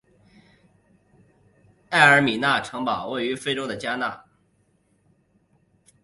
埃尔米纳城堡位于非洲的加纳。